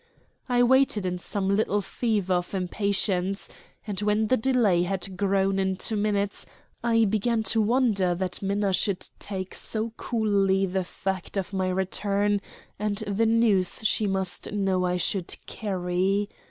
I waited in some little fever of impatience, and when the delay had grown into minutes I began to wonder that Minna should take so coolly the fact of my return and the news she must know I should carry.